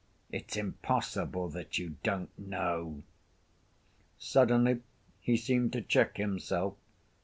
It's impossible that you don't know." Suddenly he seemed to check himself.